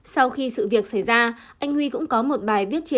sau khi sự việc xảy ra anh huy cũng có một bài viết truyền